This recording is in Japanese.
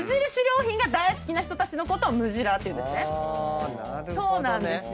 良品が大好きな人たちのことをムジラーって言うんですね。